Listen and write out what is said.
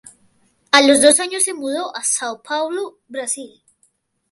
A los dos años se mudó a São Paulo, Brasil.